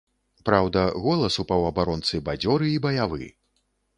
Праўда, голас у паўабаронцы бадзёры і баявы.